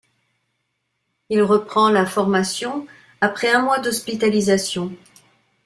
Il reprend la formation après un mois d'hospitalisation.